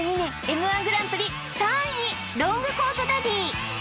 Ｍ−１グランプリ３位ロングコートダディ